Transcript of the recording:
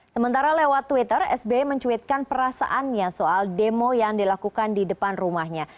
sementara lewat twitter sby mencuitkan perasaannya soal demo yang dilakukan di depan rumahnya